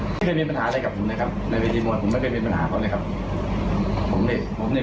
ได้กับผมนะครับในวิธีโมทผมไม่เคยเป็นปัญหาเขาเลยครับผมเนี้ยผมเนี้ย